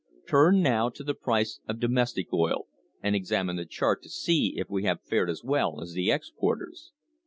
Turn now to the price of domestic oil, and examine the chart to see if we have fared as well as the exporters.